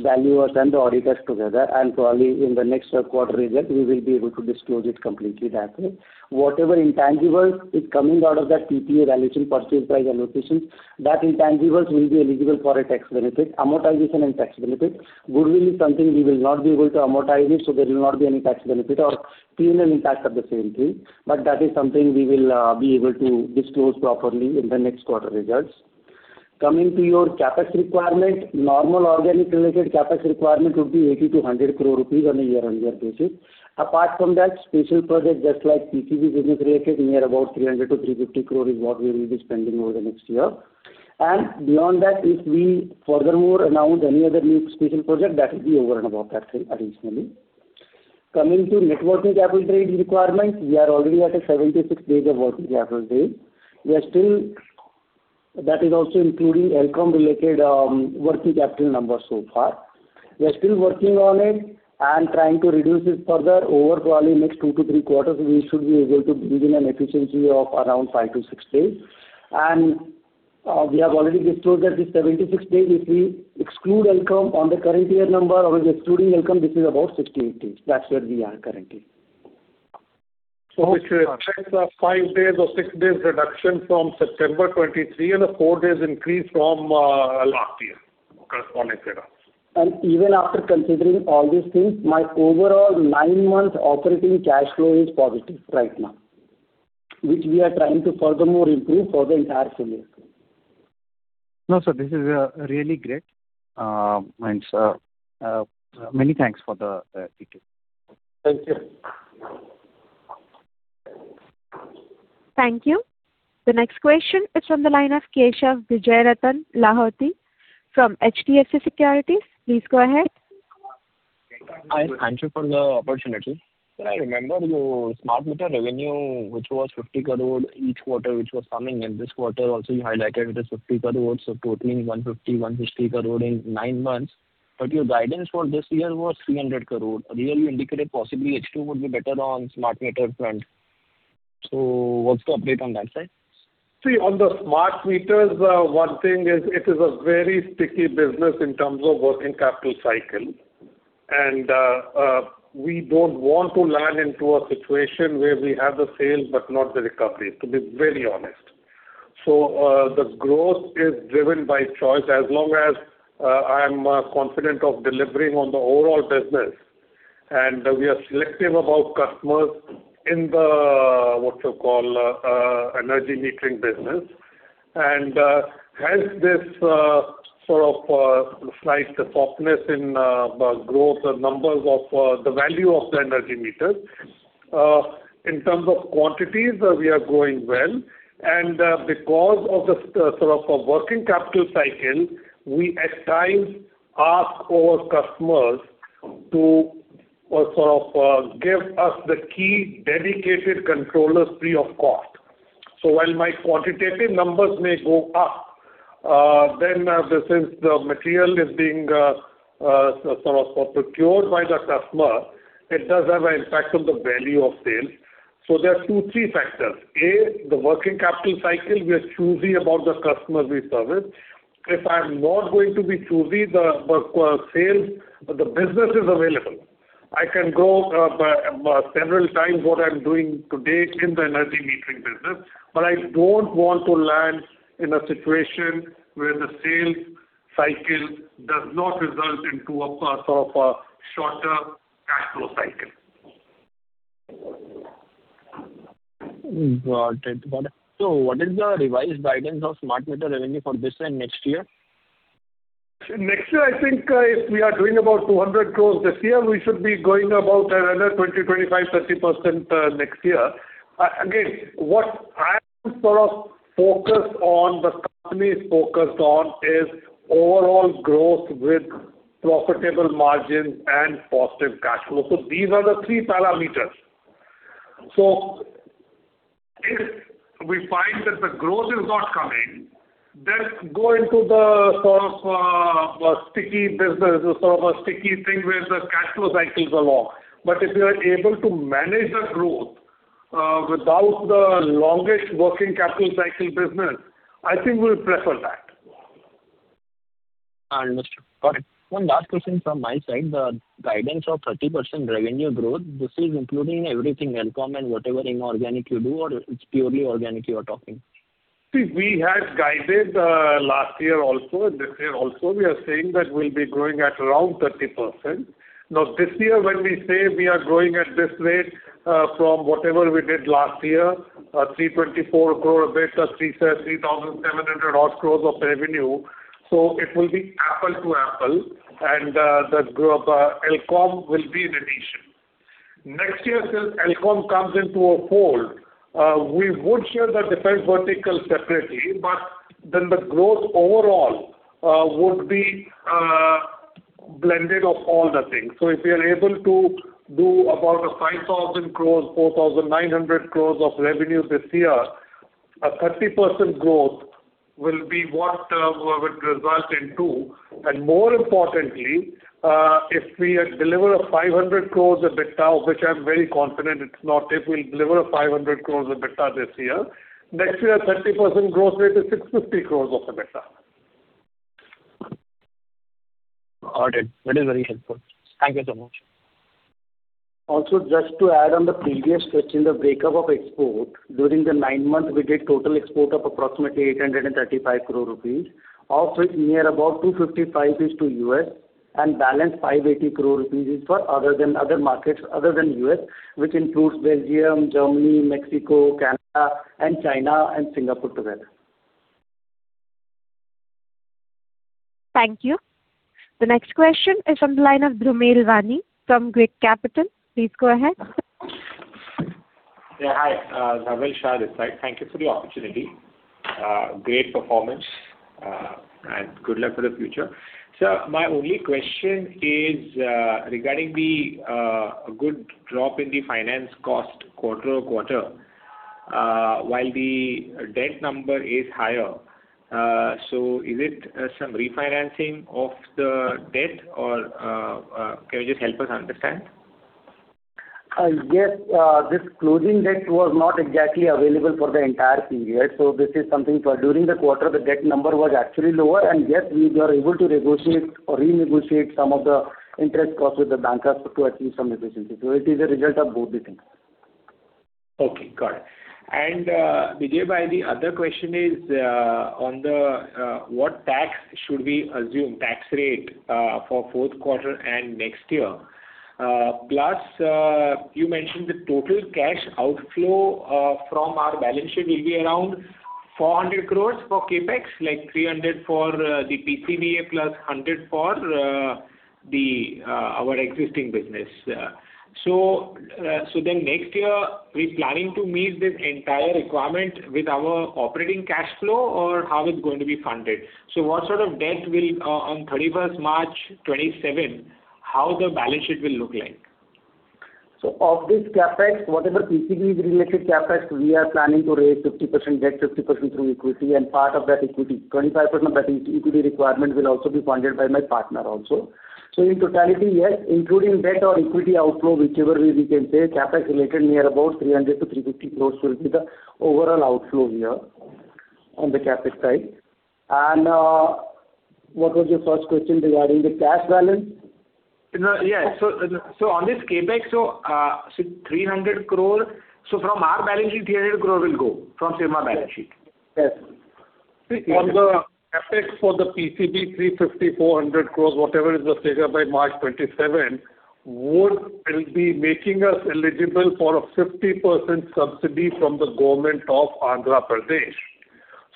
valuers and the auditors together, and probably in the next quarter result, we will be able to disclose it completely that way. Whatever intangibles is coming out of that PPA valuation, purchase price allocation, that intangibles will be eligible for a tax benefit, amortization and tax benefit. Goodwill is something we will not be able to amortize it, so there will not be any tax benefit or premium impact of the same thing. But that is something we will be able to disclose properly in the next quarter results. Coming to your CapEx requirement, normal organic related CapEx requirement would be INR 80 crore-INR 100 crore on a year-on-year basis. Apart from that, special project, just like PCB business related, near about INR 300 crore-INR 350 crore is what we will be spending over the next year. Beyond that, if we furthermore announce any other new special project, that will be over and above that thing additionally. Coming to net working capital requirements, we are already at 76 days of working capital. That is also including Elcome related working capital number so far. We are still working on it and trying to reduce it further. Over probably next 2-3 quarters, we should be able to build in an efficiency of around 5-6 days. We have already disclosed that the 76 days, if we exclude Elcome on the current year number, or excluding Elcome, this is about 60-80. That's where we are currently. So it takes a five-day or six-day reduction from September 2023 and a four-day increase from last year, corresponding period. Even after considering all these things, my overall nine-month operating cash flow is positive right now, which we are trying to furthermore improve for the entire full year. No, sir, this is really great. And many thanks for the detail. Thank you. Thank you. The next question is from the line of Keshav Lahoti from HDFC Securities. Please go ahead. Hi, thank you for the opportunity. Sir, I remember your smart meter revenue, which was 50 crore each quarter, which was coming, and this quarter also you highlighted it is 50 crore, so totaling 150 crore in nine months. But your guidance for this year was 300 crore. Really, you indicated possibly H2 would be better on smart meter front. So what's the update on that side? See, on the smart meters, one thing is it is a very sticky business in terms of working capital cycle, and we don't want to land into a situation where we have the sales but not the recovery, to be very honest. So, the growth is driven by choice. As long as I am confident of delivering on the overall business, and we are selective about customers in the, what you call, energy metering business. Hence this sort of slight softness in the growth and numbers of the value of the energy meters. In terms of quantities, we are growing well, and because of the sort of a working capital cycle, we at times ask our customers to sort of give us the key dedicated controllers free of cost. So while my quantitative numbers may go up, then, since the material is being, sort of, procured by the customer, it does have an impact on the value of sales. So there are two, three factors. A, the working capital cycle, we are choosy about the customers we service. If I'm not going to be choosy, the, the, sales, the business is available. I can grow, several times what I'm doing today in the energy metering business, but I don't want to land in a situation where the sales cycle does not result into a, sort of a shorter cash flow cycle. Got it. Got it. So what is the revised guidance of smart meter revenue for this and next year? Next year, I think, if we are doing about 200 crore this year, we should be growing about another 20%, 25%, 30% next year. Again, what I'm sort of focused on, the company is focused on, is overall growth with profitable margins and positive cash flow. So these are the three parameters. So if we find that the growth is not coming, then go into the sort of sticky business, or sort of a sticky thing where the cash flow cycles are long. But if we are able to manage the growth, without the longest working capital cycle business, I think we'll prefer that. Understood. Got it. One last question from my side. The guidance of 30% revenue growth, this is including everything, Elcome and whatever inorganic you do, or it's purely organic you are talking? See, we had guided, last year also, this year also, we are saying that we'll be growing at around 30%. Now, this year, when we say we are growing at this rate, from whatever we did last year, 324 crore EBITDA, 3,700 crore odd of revenue, so it will be apple to apple, and, the growth of, Elcome will be in addition. Next year, since Elcome comes into our fold, we would share the different verticals separately, but then the growth overall, would be, blended of all the things. So if we are able to do about 5,000 crore, 4,900 crore of revenue this year, a 30% growth will be what, would result in two. More importantly, if we deliver 500 crore EBITDA, of which I'm very confident, it's not if we'll deliver 500 crore EBITDA this year, next year, a 30% growth rate is 650 crore of EBITDA. Got it. That is very helpful. Thank you so much. Also, just to add on the previous question, the breakup of export. During the nine months, we did total export of approximately 835 crore rupees, of which near about 255 is to U.S., and balance 580 crore rupees is for other than other markets other than U.S., which includes Belgium, Germany, Mexico, Canada, and China, and Singapore together. Thank you. The next question is on the line of Dhrumil Wani from Girik Capital. Please go ahead. Yeah, hi, Dhrumil Wani. Thank you for the opportunity. Great performance, and good luck for the future. Sir, my only question is regarding the good drop in the finance cost quarter-on-quarter, while the debt number is higher. So is it some refinancing of the debt, or can you just help us understand? Yes, this closing debt was not exactly available for the entire period, so this is something for during the quarter, the debt number was actually lower, and yes, we were able to negotiate or renegotiate some of the interest costs with the bankers to achieve some efficiency. So it is a result of both the things. Okay, got it. And, Bijay, bhai, the other question is, on the, what tax should we assume, tax rate, for fourth quarter and next year? Plus, you mentioned the total cash outflow from our balance sheet will be around 400 crore for CapEx, like 300 for the PCB plus 100 for our existing business. So, so then next year, we're planning to meet this entire requirement with our operating cash flow or how it's going to be funded? So what sort of debt will on 31st March 2027, how the balance sheet will look like? So of this CapEx, whatever PCB is related CapEx, we are planning to raise 50% debt, 50% through equity, and part of that equity, 25% of that equity requirement will also be funded by my partner also. So in totality, yes, including debt or equity outflow, whichever way we can say, CapEx related near about 300 crores-350 crores will be the overall outflow here on the CapEx side. And, what was your first question regarding the cash balance? No, yeah. So, so on this CapEx, so, 300 crore, so from our balance sheet, 300 crore will go, from Syrma balance sheet? Yes. See, on the CapEx for the PCB, 350 crore-400 crore, whatever is the figure by March 2027, will be making us eligible for a 50% subsidy from the Government of Andhra Pradesh.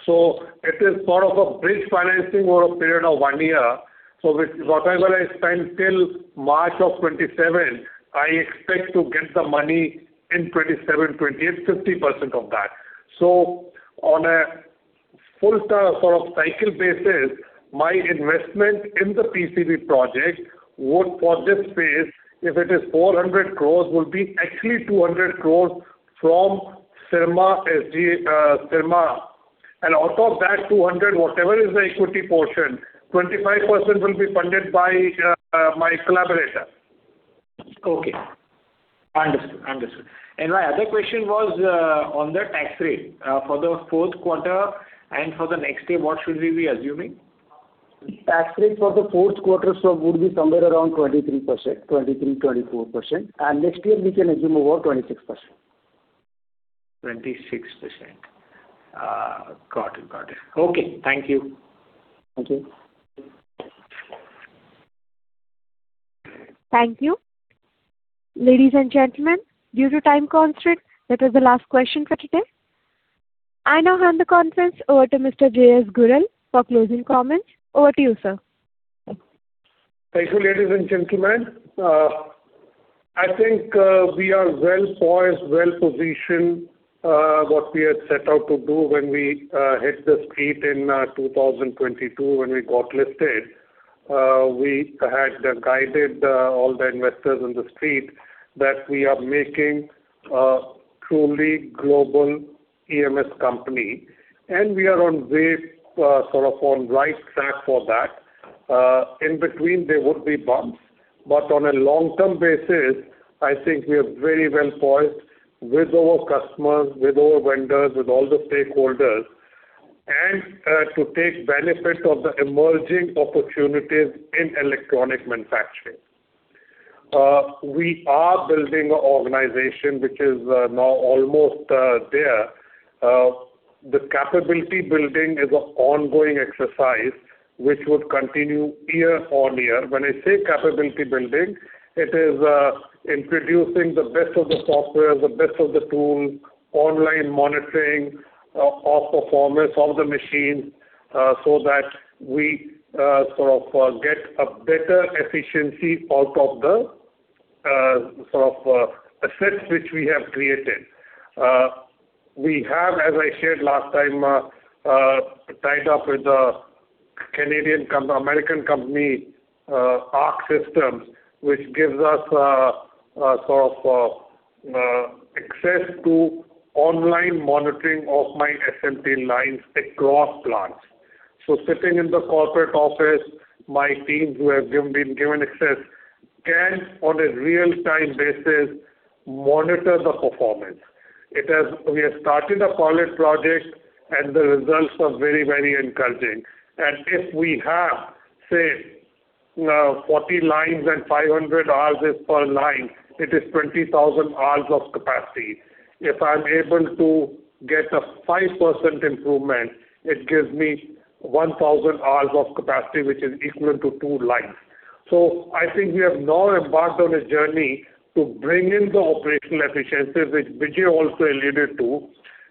So it is sort of a bridge financing over a period of one year. So with whatever I spend till March 2027, I expect to get the money in 2027, 2028, 50% of that. So on a full sort of cycle basis, my investment in the PCB project would, for this phase, if it is 400 crore, will be actually 200 crore from Syrma SGS. And out of that 200 crore, whatever is the equity portion, 25% will be funded by my collaborator. Okay. I understand. I understand. And my other question was, on the tax rate, for the fourth quarter and for the next year, what should we be assuming? Tax rate for the fourth quarter, so would be somewhere around 23%, 23%-24%, and next year we can assume over 26%. 26%. Ah, got it, got it. Okay, thank you. Thank you. Thank you. Ladies and gentlemen, due to time constraints, that was the last question for today. I now hand the conference over to Mr. J.S. Gujral for closing comments. Over to you, sir. Thank you, ladies and gentlemen. I think we are well poised, well positioned, what we had set out to do when we hit the street in 2022, when we got listed. We had guided all the investors in the street that we are making a truly global EMS company, and we are on way, sort of on right track for that. In between, there would be bumps, but on a long-term basis, I think we are very well poised with our customers, with our vendors, with all the stakeholders, and to take benefit of the emerging opportunities in electronic manufacturing. We are building an organization which is now almost there. The capability building is an ongoing exercise, which would continue year-on-year. When I say capability building, it is introducing the best of the software, the best of the tools, online monitoring of performance of the machine, so that we sort of get a better efficiency out of the sort of assets which we have created. We have, as I shared last time, tied up with a Canadian-American company, Arch Systems, which gives us a sort of access to online monitoring of my SMT lines across plants. So sitting in the corporate office, my teams who have been given access, can, on a real-time basis, monitor the performance. We have started a pilot project, and the results are very, very encouraging. And if we have, say, 40 lines and 500 hours per line, it is 20,000 hours of capacity. If I'm able to get a 5% improvement, it gives me 1,000 hours of capacity, which is equivalent to two lines. So I think we have now embarked on a journey to bring in the operational efficiencies, which Bijay also alluded to,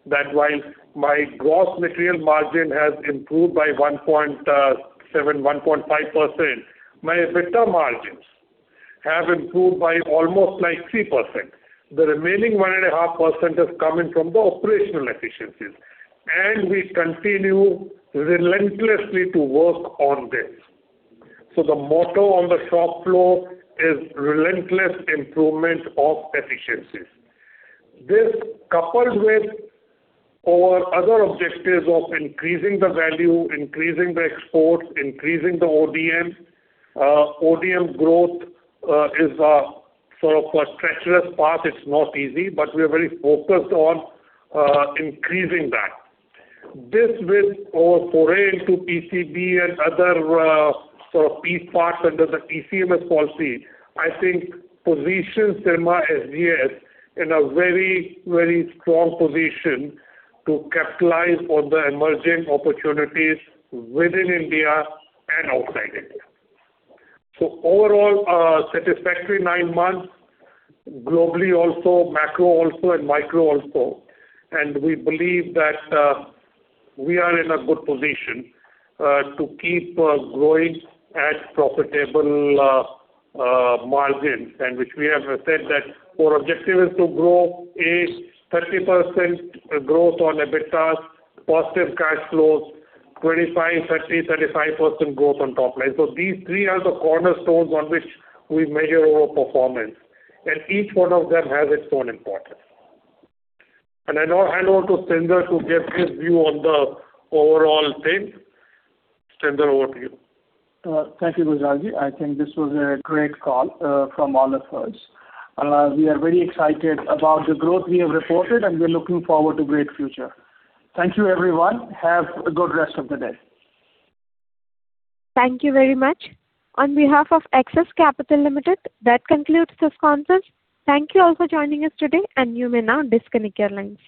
that while my gross material margin has improved by 1.75%, my EBITDA margins have improved by almost like 3%. The remaining 1.5% has come in from the operational efficiencies, and we continue relentlessly to work on this. So the motto on the shop floor is: Relentless improvement of efficiencies. This, coupled with our other objectives of increasing the value, increasing the exports, increasing the ODM. ODM growth is a sort of a treacherous path. It's not easy, but we are very focused on increasing that. This, with our foray into PCB and other, sort of key parts under the ECMS policy, I think positions Syrma SGS in a very, very strong position to capitalize on the emerging opportunities within India and outside India. So overall, a satisfactory nine months, globally also, macro also and micro also. And we believe that, we are in a good position, to keep, growing at profitable, margins, and which we have said that our objective is to grow a 30% growth on EBITDA, positive cash flows, 25%, 30%, 35% growth on top line. So these three are the cornerstones on which we measure our performance, and each one of them has its own importance. And I now hand over to Satendra to get his view on the overall thing. Satendra, over to you. Thank you, Gujral. I think this was a great call from all of us. We are very excited about the growth we have reported, and we are looking forward to great future. Thank you everyone. Have a good rest of the day. Thank you very much. On behalf of Axis Capital Limited, that concludes this conference. Thank you all for joining us today, and you may now disconnect your lines.